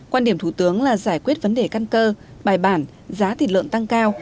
quan điểm thủ tướng là giải quyết vấn đề căn cơ bài bản giá thịt lợn tăng cao